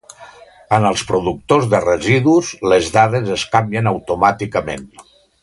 En els productors de residus les dades es canvien automàticament.